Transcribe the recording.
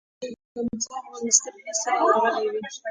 نپوهېږم څه وخت به مې سترګې سره ورغلې وې.